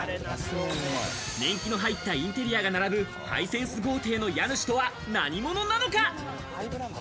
年季の入ったインテリアが並ぶ、ハイセンス豪邸の家主とは何者なのか？